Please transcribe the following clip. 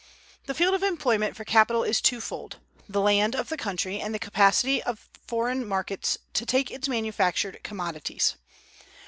The field of employment for capital is twofold: the land of the country, and the capacity of foreign markets to take its manufactured commodities.